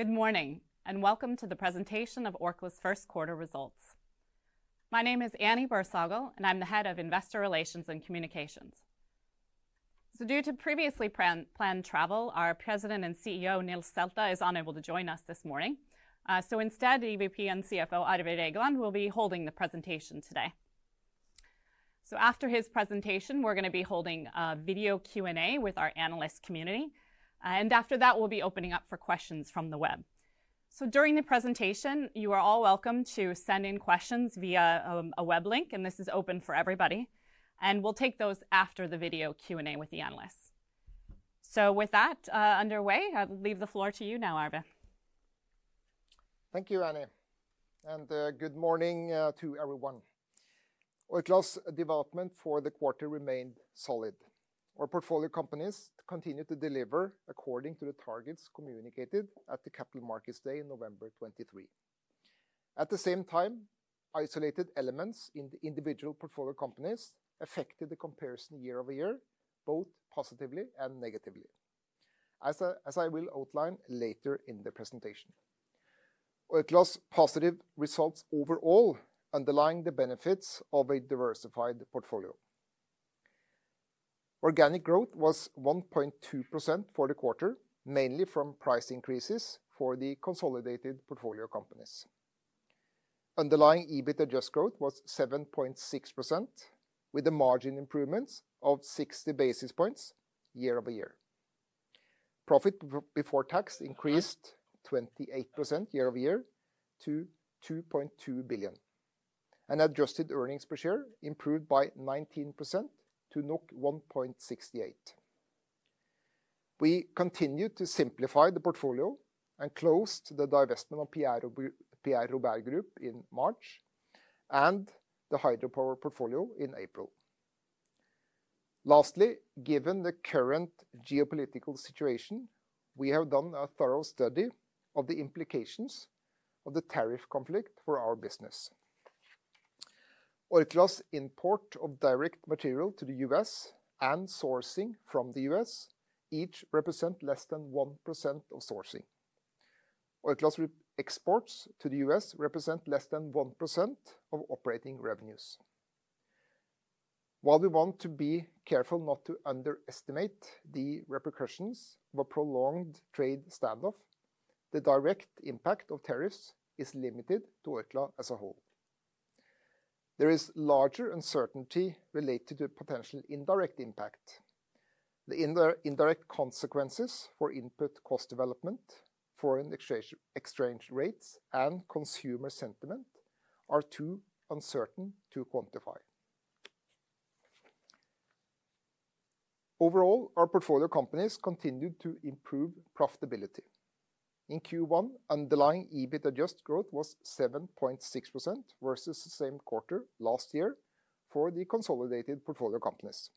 Good morning, and welcome to the presentation of Orkla's First Quarter results. My name is Annie Bersagel, and I'm the Head of Investor Relations and Communications. Due to previously planned travel, our President and CEO, Nils Selte, is unable to join us this morning. Instead, EVP and CFO, Arve Regland, will be holding the presentation today. After his presentation, we're going to be holding a video Q&A with our analyst community. After that, we'll be opening up for questions from the web. During the presentation, you are all welcome to send in questions via a web link, and this is open for everybody. We'll take those after the video Q&A with the analysts. With that underway, I'll leave the floor to you now, Arve. Thank you, Annie. Good morning to everyone. Orkla's development for the quarter remained solid. Our portfolio companies continued to deliver according to the targets communicated at the Capital Markets Day in November 2023. At the same time, isolated elements in the individual portfolio companies affected the comparison year-over-year, both positively and negatively, as I will outline later in the presentation. Orkla's positive results overall underline the benefits of a diversified portfolio. Organic growth was 1.2% for the quarter, mainly from price increases for the consolidated portfolio companies. Underlying EBIT (adjusted) growth was 7.6%, with a margin improvement of 60 basis points year-over-year. Profit before tax increased 28% year-over-year to 2.2 billion, and adjusted earnings per share improved by 19% to 1.68. We continued to simplify the portfolio and closed the divestment of Pierro Berg Group in March and the Hydropower portfolio in April. Lastly, given the current geopolitical situation, we have done a thorough study of the implications of the tariff conflict for our business. Orkla's import of direct material to the U.S. and sourcing from the U.S. each represent less than 1% of sourcing. Orkla's exports to the U.S. represent less than 1% of operating revenues. While we want to be careful not to underestimate the repercussions of a prolonged trade standoff, the direct impact of tariffs is limited to Orkla as a whole. There is larger uncertainty related to potential indirect impact. The indirect consequences for input cost development, foreign exchange rates, and consumer sentiment are too uncertain to quantify. Overall, our portfolio companies continued to improve profitability. In Q1, underlying EBIT (adjusted) growth was 7.6% versus the same quarter last year for the consolidated portfolio companies,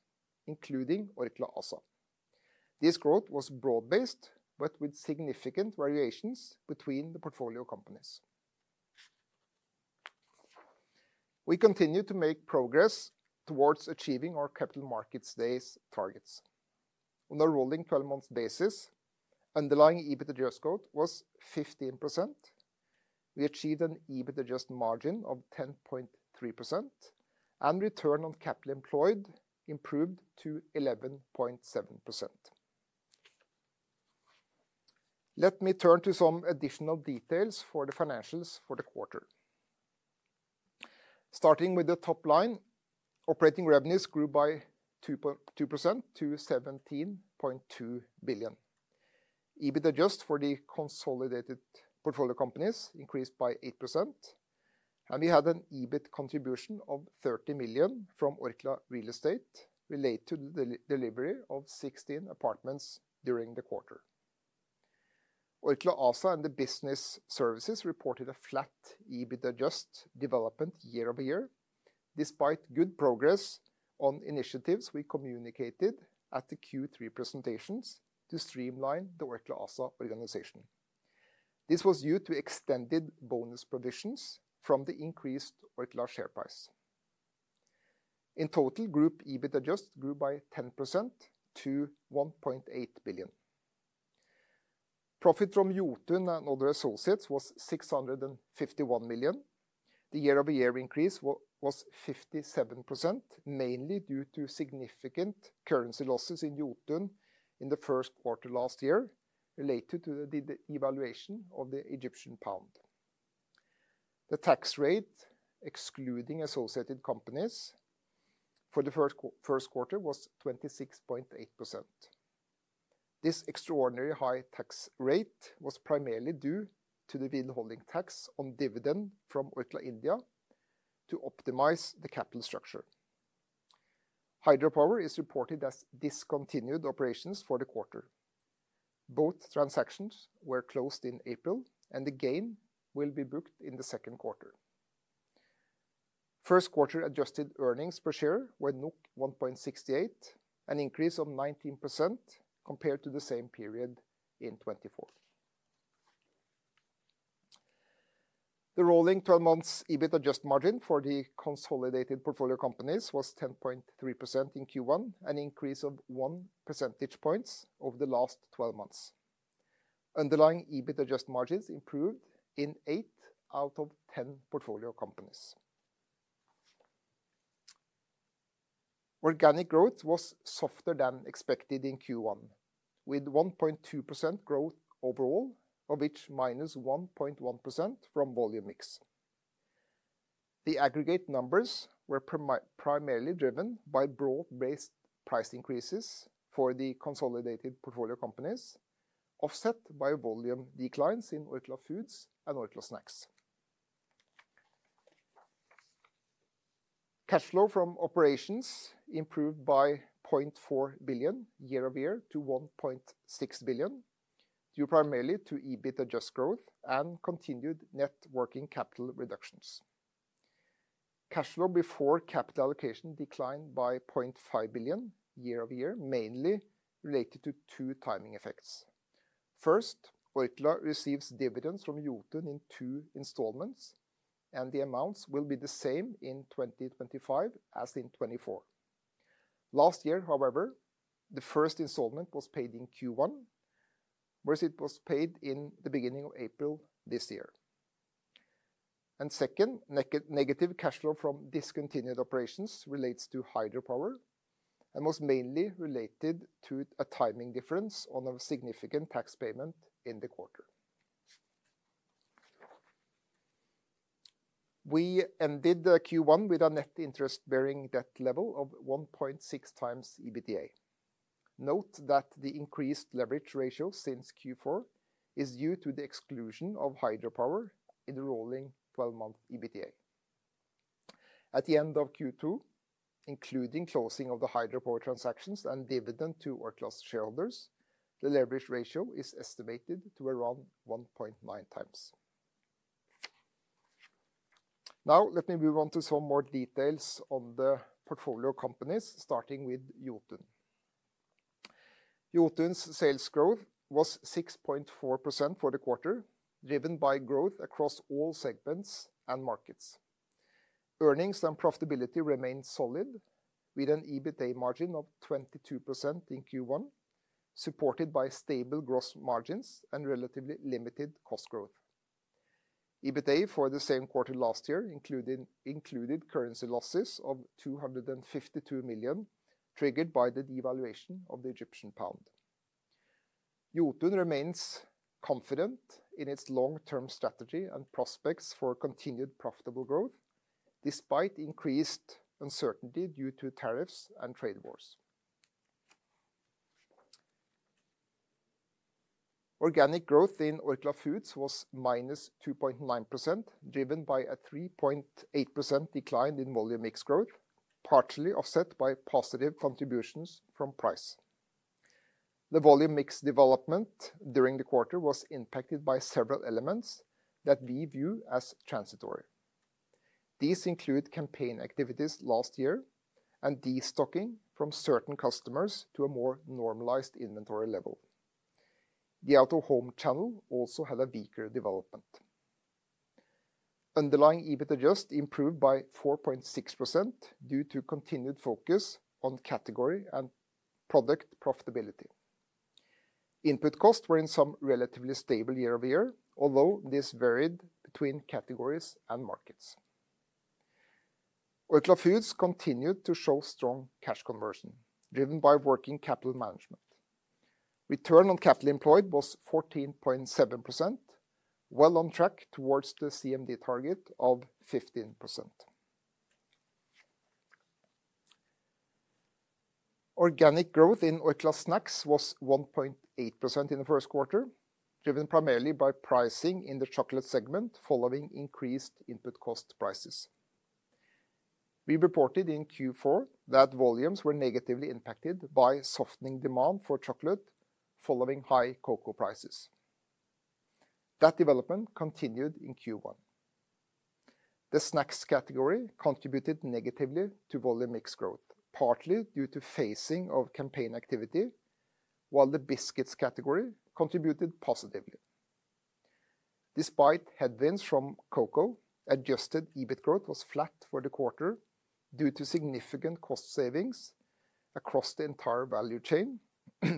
including Orkla ASA. This growth was broad-based, but with significant variations between the portfolio companies. We continue to make progress towards achieving our Capital Markets Day's targets. On a rolling 12-month basis, underlying EBIT (adjusted) growth was 15%. We achieved an EBIT (adjusted) margin of 10.3%, and return on capital employed improved to 11.7%. Let me turn to some additional details for the financials for the quarter. Starting with the top line, operating revenues grew by 2% to 17.2 billion. EBIT (adjusted) for the consolidated portfolio companies increased by 8%. We had an EBIT contribution of 30 million from Orkla Real Estate related to the delivery of 16 apartments during the quarter. Orkla ASA and the business services reported a flat EBIT (adjusted) development year-over-year, despite good progress on initiatives we communicated at the Q3 presentations to streamline the Orkla ASA organization. This was due to extended bonus provisions from the increased Orkla share price. In total, group EBIT (adjusted) grew by 10% to 1.8 billion. Profit from Jotun and other associates was 651 million. The year-over-year increase was 57%, mainly due to significant currency losses in Jotun in the first quarter last year related to the devaluation of the Egyptian pound. The tax rate, excluding associated companies, for the first quarter was 26.8%. This extraordinarily high tax rate was primarily due to the withholding tax on dividend from Orkla India to optimize the capital structure. Hydropower is reported as discontinued operations for the quarter. Both transactions were closed in April, and the gain will be booked in the second quarter. First quarter adjusted earnings per share were 1.68, an increase of 19% compared to the same period in 2024. The rolling 12-month EBIT (adjusted) margin for the consolidated portfolio companies was 10.3% in Q1, an increase of 1 percentage point over the last 12 months. Underlying EBIT (adjusted) margins improved in 8 out of 10 portfolio companies. Organic growth was softer than expected in Q1, with 1.2% growth overall, of which minus 1.1% from volume mix. The aggregate numbers were primarily driven by broad-based price increases for the consolidated portfolio companies, offset by volume declines in Orkla Foods and Orkla Snacks. Cash flow from operations improved by 0.4 billion year-over-year to 1.6 billion, due primarily to EBIT (adjusted) growth and continued net working capital reductions. Cash flow before capital allocation declined by 0.5 billion year-over-year, mainly related to two timing effects. First, Orkla receives dividends from Jotun in two installments, and the amounts will be the same in 2025 as in 2024. Last year, however, the first installment was paid in Q1, whereas it was paid in the beginning of April this year. Second, negative cash flow from discontinued operations relates to Hydropower and was mainly related to a timing difference on a significant tax payment in the quarter. We ended Q1 with a net interest-bearing debt level of 1.6 times EBITDA. Note that the increased leverage ratio since Q4 is due to the exclusion of Hydropower in the rolling 12-month EBITDA. At the end of Q2, including closing of the Hydropower transactions and dividend to Orkla's shareholders, the leverage ratio is estimated to around 1.9 times. Now, let me move on to some more details on the portfolio companies, starting with Jotun. Jotun's sales growth was 6.4% for the quarter, driven by growth across all segments and markets. Earnings and profitability remained solid, with an EBITDA margin of 22% in Q1, supported by stable gross margins and relatively limited cost growth. EBITDA for the same quarter last year included currency losses of 252 million, triggered by the evaluation of the Egyptian pound. Jotun remains confident in its long-term strategy and prospects for continued profitable growth, despite increased uncertainty due to tariffs and trade wars. Organic growth in Orkla Foods was -2.9%, driven by a 3.8% decline in volume mix growth, partially offset by positive contributions from price. The volume mix development during the quarter was impacted by several elements that we view as transitory. These include campaign activities last year and destocking from certain customers to a more normalized inventory level. The out-of-home channel also had a weaker development. Underlying EBIT (adjusted) improved by 4.6% due to continued focus on category and product profitability. Input costs were in some relatively stable year-over-year, although this varied between categories and markets. Orkla Foods continued to show strong cash conversion, driven by working capital management. Return on capital employed was 14.7%, well on track towards the CMD target of 15%. Organic growth in Orkla Snacks was 1.8% in the first quarter, driven primarily by pricing in the chocolate segment following increased input cost prices. We reported in Q4 that volumes were negatively impacted by softening demand for chocolate following high cocoa prices. That development continued in Q1. The snacks category contributed negatively to volume mix growth, partly due to phasing of campaign activity, while the biscuits category contributed positively. Despite headwinds from cocoa, adjusted EBIT growth was flat for the quarter due to significant cost savings across the entire value chain,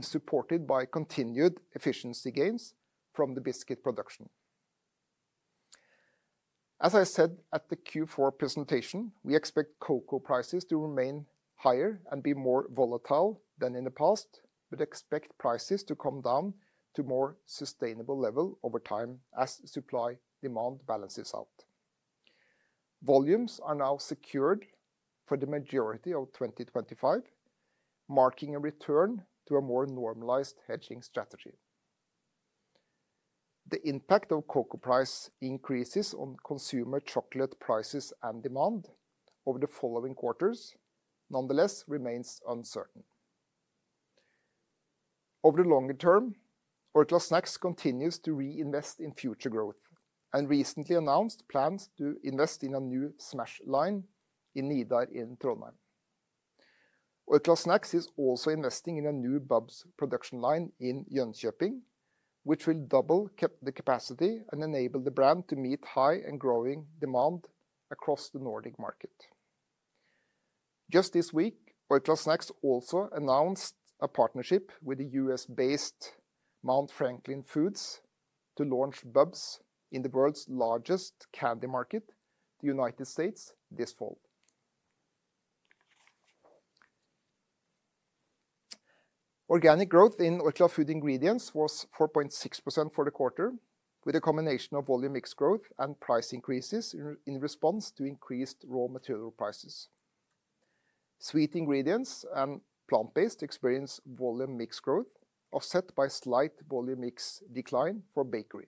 supported by continued efficiency gains from the biscuit production. As I said at the Q4 presentation, we expect cocoa prices to remain higher and be more volatile than in the past, but expect prices to come down to a more sustainable level over time as supply-demand balances out. Volumes are now secured for the majority of 2025, marking a return to a more normalized hedging strategy. The impact of cocoa price increases on consumer chocolate prices and demand over the following quarters nonetheless remains uncertain. Over the longer term, Orkla Snacks continues to reinvest in future growth and recently announced plans to invest in a new Smash line in Nidar in Trondheim. Orkla Snacks is also investing in a new Bubbs production line in Jönköping, which will double the capacity and enable the brand to meet high and growing demand across the Nordic market. Just this week, Orkla Snacks also announced a partnership with the U.S.-based Mount Franklin Foods to launch Bubbs in the world's largest candy market, the United States, this fall. Organic growth in Orkla Food Ingredients was 4.6% for the quarter, with a combination of volume mix growth and price increases in response to increased raw material prices. Sweet ingredients and plant-based experienced volume mix growth, offset by slight volume mix decline for bakery.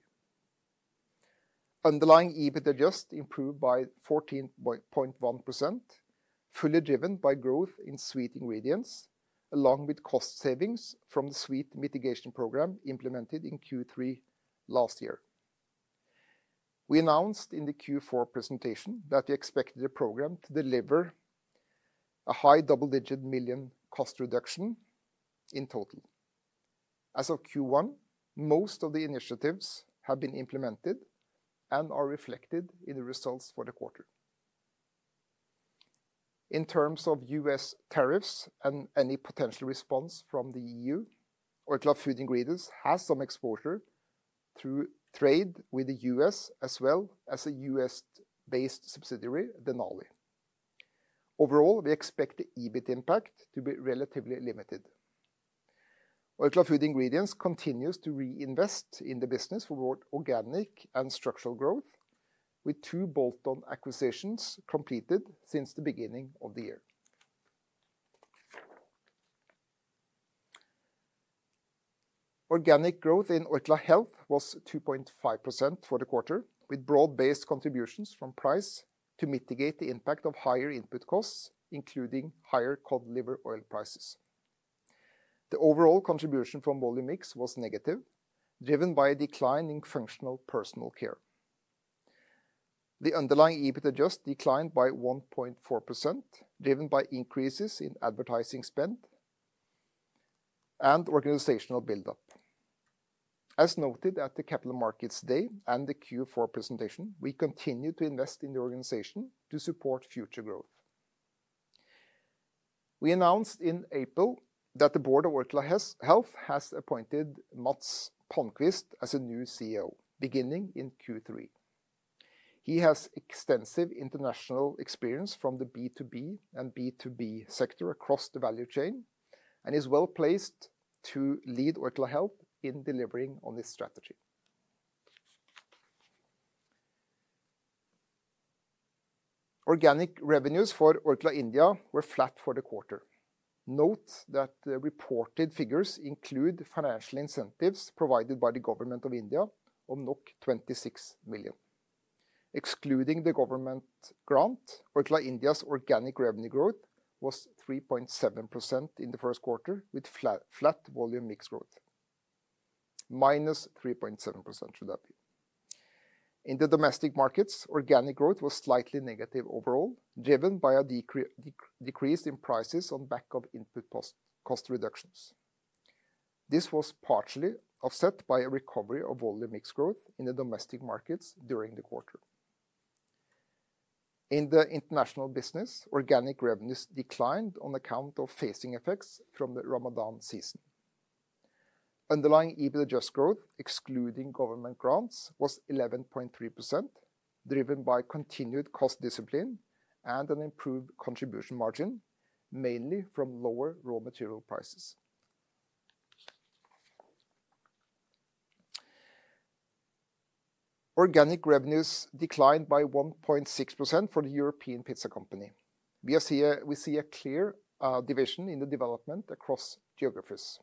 Underlying EBIT (adjusted) improved by 14.1%, fully driven by growth in sweet ingredients, along with cost savings from the sweet mitigation program implemented in Q3 last year. We announced in the Q4 presentation that we expected the program to deliver a high double-digit million cost reduction in total. As of Q1, most of the initiatives have been implemented and are reflected in the results for the quarter. In terms of U.S. tariffs and any potential response from the E.U., Orkla Food Ingredients has some exposure through trade with the U.S., as well as a U.S.-based subsidiary, Denali. Overall, we expect the EBIT impact to be relatively limited. Orkla Food Ingredients continues to reinvest in the business for both organic and structural growth, with two bolt-on acquisitions completed since the beginning of the year. Organic growth in Orkla Health was 2.5% for the quarter, with broad-based contributions from price to mitigate the impact of higher input costs, including higher cod liver oil prices. The overall contribution from volume mix was negative, driven by a decline in functional personal care. The underlying EBIT (adjusted) declined by 1.4%, driven by increases in advertising spend and organizational build-up. As noted at the Capital Markets Day and the Q4 presentation, we continue to invest in the organization to support future growth. We announced in April that the Board of Orkla Health has appointed Mats Palmquist as a new CEO, beginning in Q3. He has extensive international experience from the B2B and B2C sector across the value chain and is well placed to lead Orkla Health in delivering on this strategy. Organic revenues for Orkla India were flat for the quarter. Note that the reported figures include financial incentives provided by the government of India of NOK 26 million. Excluding the government grant, Orkla India's organic revenue growth was -3.7% in the first quarter, with flat volume mix growth. In the domestic markets, organic growth was slightly negative overall, driven by a decrease in prices on back of input cost reductions. This was partially offset by a recovery of volume mix growth in the domestic markets during the quarter. In the international business, organic revenues declined on account of phasing effects from the Ramadan season. Underlying EBIT (adjusted) growth, excluding government grants, was 11.3%, driven by continued cost discipline and an improved contribution margin, mainly from lower raw material prices. Organic revenues declined by 1.6% for the European Pizza Company. We see a clear division in the development across geographies.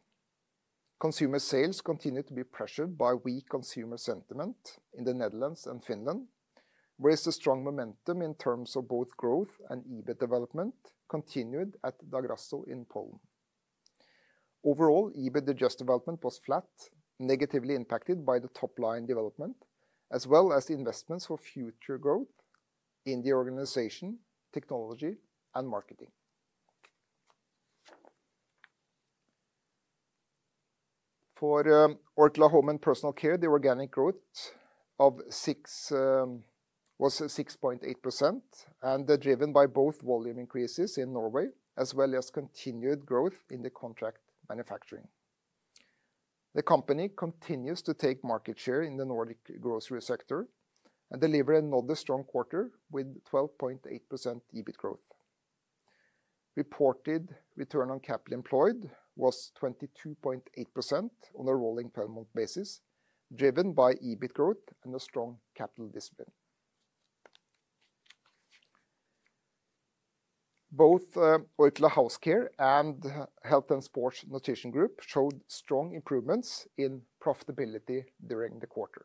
Consumer sales continue to be pressured by weak consumer sentiment in the Netherlands and Finland, whereas the strong momentum in terms of both growth and EBIT (adjusted) development continued at Daugavpils in Poland. Overall, EBIT (adjusted) development was flat, negatively impacted by the top-line development, as well as the investments for future growth in the organization, technology, and marketing. For Orkla Home and Personal Care, the organic growth was 6.8% and driven by both volume increases in Norway, as well as continued growth in the contract manufacturing. The company continues to take market share in the Nordic grocery sector and delivered another strong quarter with 12.8% EBIT growth. Reported return on capital employed was 22.8% on a rolling 12-month basis, driven by EBIT growth and a strong capital discipline. Both Orkla House Care and Health and Sports Nutrition Group showed strong improvements in profitability during the quarter.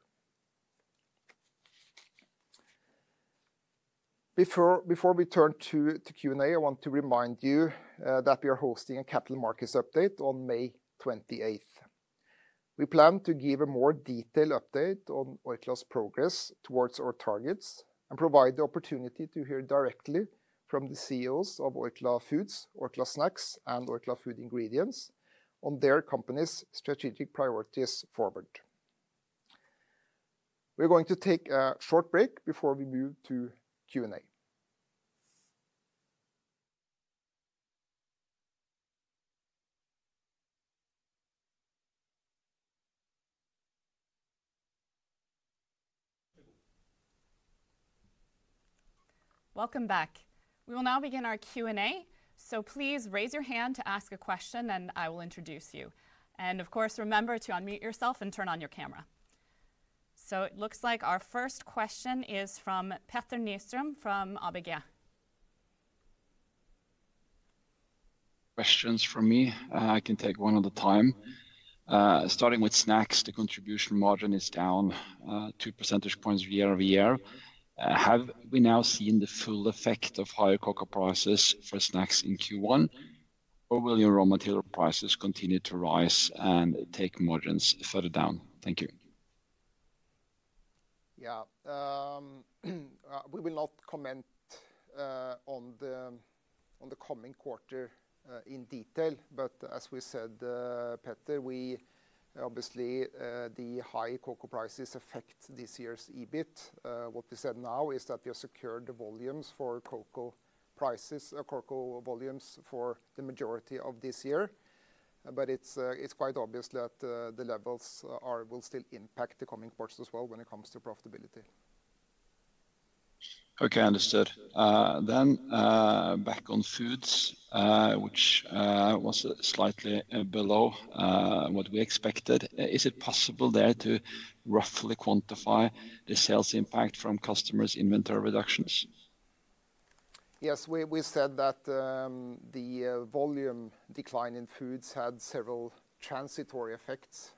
Before we turn to Q&A, I want to remind you that we are hosting a capital markets update on May 28th. We plan to give a more detailed update on Orkla's progress towards our targets and provide the opportunity to hear directly from the CEOs of Orkla Foods, Orkla Snacks, and Orkla Food Ingredients on their company's strategic priorities forward. We're going to take a short break before we move to Q&A. Welcome back. We will now begin our Q&A, so please raise your hand to ask a question, and I will introduce you. Of course, remember to unmute yourself and turn on your camera. It looks like our first question is from Petter Nystrøm from ABG. Questions for me? I can take one at a time. Starting with snacks, the contribution margin is down 2 percentage points year-over-year. Have we now seen the full effect of higher cocoa prices for snacks in Q1, or will your raw material prices continue to rise and take margins further down? Thank you. Yeah, we will not comment on the coming quarter in detail, but as we said, Petter, obviously the high cocoa prices affect this year's EBIT. What we said now is that we have secured the volumes for cocoa prices, cocoa volumes for the majority of this year, but it is quite obvious that the levels will still impact the coming quarters as well when it comes to profitability. Okay, understood. Then back on foods, which was slightly below what we expected. Is it possible there to roughly quantify the sales impact from customers' inventory reductions? Yes, we said that the volume decline in foods had several transitory effects,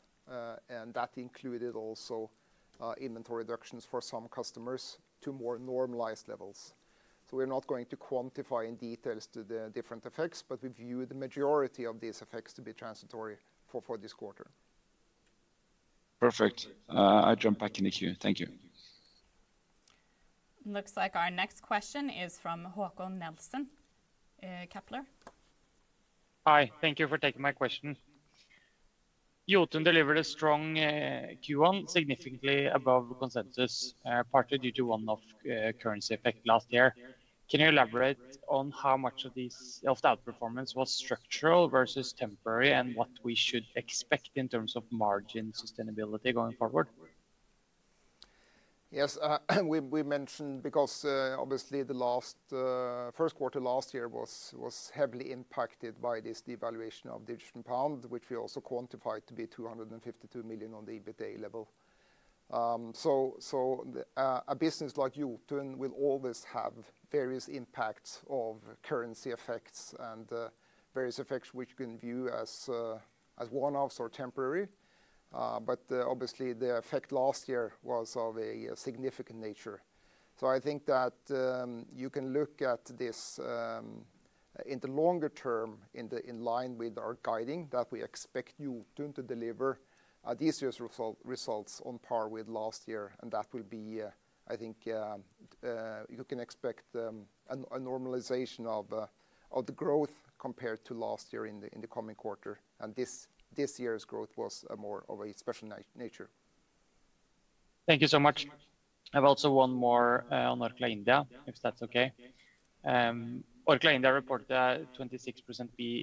and that included also inventory reductions for some customers to more normalized levels. We are not going to quantify in detail the different effects, but we view the majority of these effects to be transitory for this quarter. Perfect. I will jump back in the queue. Thank you. Looks like our next question is from Håkon Nelson, Kepler. Hi, thank you for taking my question. Jotun delivered a strong Q1, significantly above consensus partly due to one-off currency effect last year. Can you elaborate on how much of this outperformance was structural versus temporary and what we should expect in terms of margin sustainability going forward? Yes, we mentioned because obviously the first quarter last year was heavily impacted by this devaluation of the Egyptian pound, which we also quantified to be 252 million on the EBITDA level. So a business like Jotun will always have various impacts of currency effects and various effects which can be viewed as one-offs or temporary, but obviously the effect last year was of a significant nature. I think that you can look at this in the longer term in line with our guiding that we expect Jotun to deliver this year's results on par with last year, and that will be, I think you can expect a normalization of the growth compared to last year in the coming quarter, and this year's growth was more of a special nature. Thank you so much. I have also one more on Orkla India, if that's okay. Orkla India reported a 26%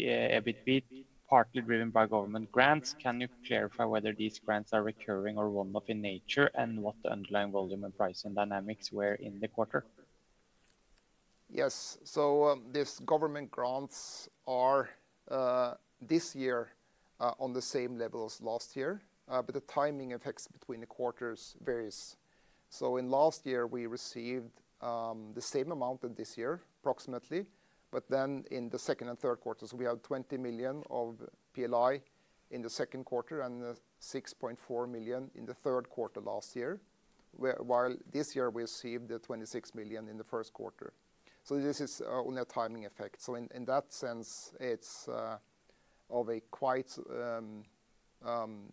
EBIT beat, partly driven by government grants. Can you clarify whether these grants are recurring or one-off in nature and what the underlying volume and pricing dynamics were in the quarter? Yes, these government grants are this year on the same level as last year, but the timing effects between the quarters vary. In last year, we received the same amount as this year, approximately, but then in the second and third quarters, we had 20 million of PLI in the second quarter and 6.4 million in the third quarter last year, while this year we received 26 million in the first quarter. This is on a timing effect. In that sense, it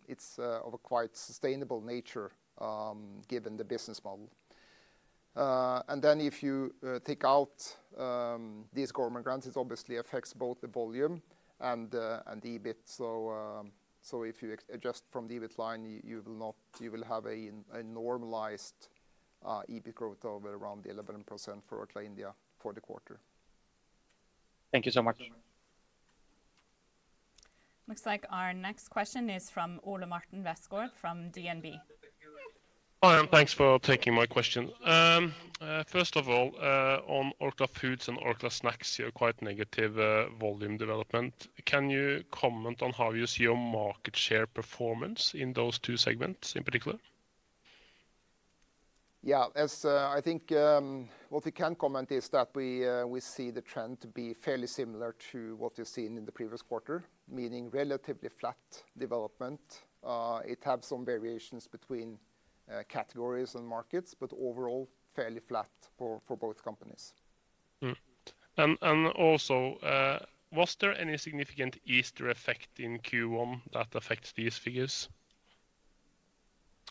is of a quite sustainable nature given the business model. If you take out these government grants, it obviously affects both the volume and the EBIT. If you adjust from the EBIT line, you will have a normalized EBIT growth of around 11% for Orkla India for the quarter. Thank you so much. Looks like our next question is from Ole Martin Westgaard from DNB. Hi, and thanks for taking my question. First of all, on Orkla Foods and Orkla Snacks, you have quite negative volume development. Can you comment on how you see your market share performance in those two segments in particular? Yeah, I think what we can comment is that we see the trend to be fairly similar to what we've seen in the previous quarter, meaning relatively flat development. It has some variations between categories and markets, but overall fairly flat for both companies. Also, was there any significant Easter effect in Q1 that affects these figures?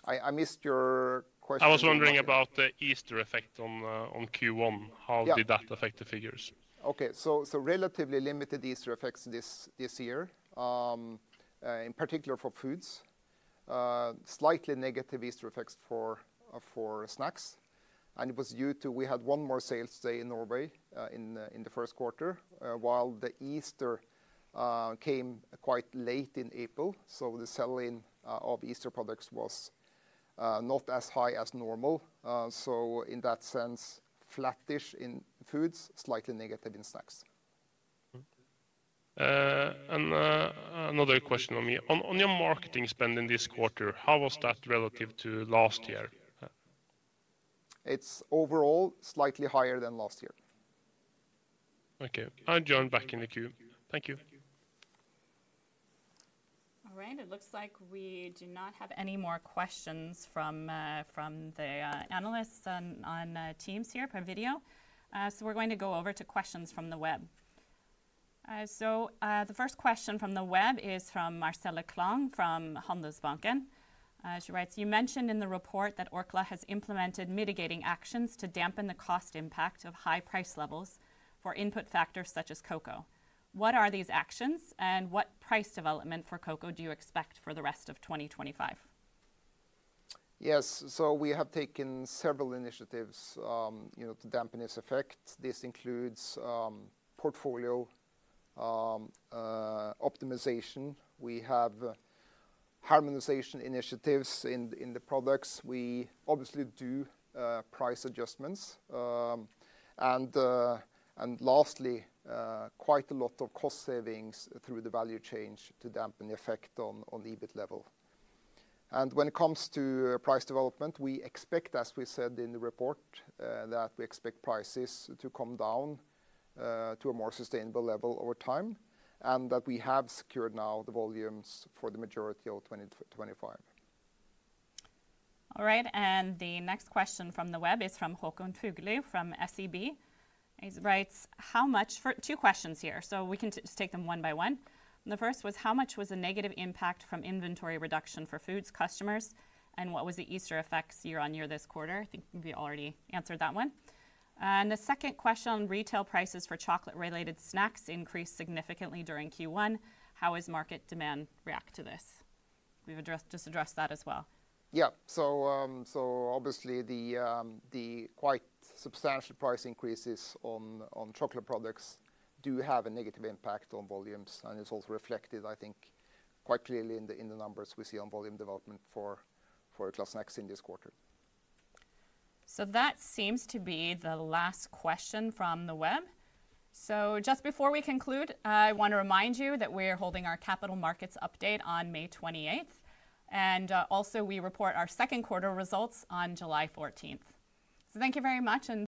I missed your question. I was wondering about the Easter effect on Q1. How did that affect the figures? Okay, so relatively limited Easter effects this year, in particular for foods. Slightly negative Easter effects for snacks. It was due to we had one more sales day in Norway in the first quarter, while the Easter came quite late in April. The selling of Easter products was not as high as normal. In that sense, flattish in foods, slightly negative in snacks. Another question on me. On your marketing spend in this quarter, how was that relative to last year? It is overall slightly higher than last year. Okay, I'll join back in the queue. Thank you. All right, it looks like we do not have any more questions from the analysts on Teams here per video. We are going to go over to questions from the web. The first question from the web is from Marcela Klang from Handelsbanken. She writes, "You mentioned in the report that Orkla has implemented mitigating actions to dampen the cost impact of high price levels for input factors such as cocoa. What are these actions and what price development for cocoa do you expect for the rest of 2025?" Yes, so we have taken several initiatives to dampen this effect. This includes portfolio optimization. We have harmonization initiatives in the products. We obviously do price adjustments. Lastly, quite a lot of cost savings through the value chain to dampen the effect on EBIT level. When it comes to price development, we expect, as we said in the report, that we expect prices to come down to a more sustainable level over time and that we have secured now the volumes for the majority of 2025. All right, and the next question from the web is from Håkon Fuglu from SEB. He writes, "How much?" Two questions here, so we can just take them one by one. The first was, "How much was the negative impact from inventory reduction for foods customers, and what was the Easter effects year on year this quarter?" I think we already answered that one. The second question, "Retail prices for chocolate-related snacks increased significantly during Q1. How has market demand reacted to this?" We've just addressed that as well. Yeah, obviously the quite substantial price increases on chocolate products do have a negative impact on volumes, and it's also reflected, I think, quite clearly in the numbers we see on volume development for Orkla Snacks in this quarter. That seems to be the last question from the web. Just before we conclude, I want to remind you that we're holding our capital markets update on May 28th, and also we report our second quarter results on July 14th. Thank you very much, and.